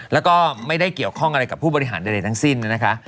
แล้วก็ไม่ได้เกี่ยวข้องอะไรกับผู้บริหารใดทั้งสิ้นนะคะ